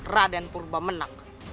raden purba menang